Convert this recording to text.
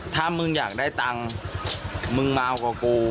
ถ้ามึงอยากได้ตังค์มึงมากว่ากู